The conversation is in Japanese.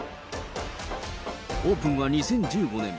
オープンは２０１５年。